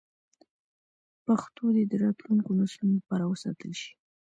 پښتو دې د راتلونکو نسلونو لپاره وساتل شي.